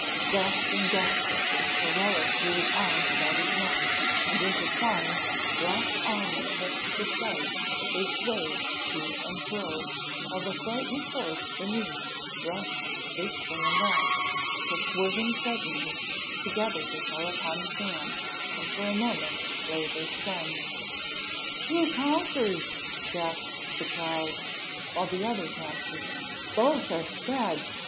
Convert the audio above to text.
Grasping desperately, Morella threw his arms about his neck, and intertwined, black armour mixed with white, they swayed to and fro, while the frightened horse beneath rushed this way and that till, swerving suddenly, together they fell upon the sand, and for a moment lay there stunned. "Who conquers?" gasped the crowd; while others answered, "Both are sped!"